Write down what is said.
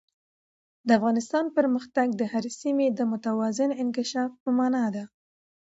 د افغانستان پرمختګ د هرې سیمې د متوازن انکشاف په مانا دی.